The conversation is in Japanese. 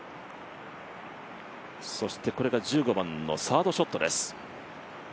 そしてこれが１５番のサードショットです。